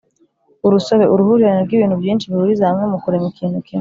urusobe: uruhurirane rw’ibintu byinshi bihuriza hamwe mu kurema ikintu kimwe